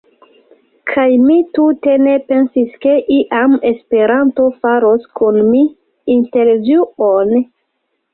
Kaj mi tute ne pensis ke iam Esperanto faros kun mi intervjuon.